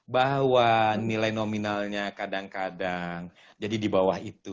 bahwa nilai nominalnya kadang kadang jadi di bawah itu